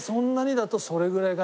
だとそれぐらいが。